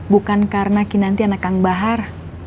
bukan karena kinanti anak kang bahar